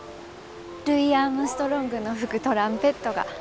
ルイ・アームストロングの吹くトランペットが。